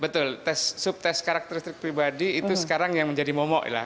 betul sub tes karakteristik pribadi itu sekarang yang menjadi momo ya lah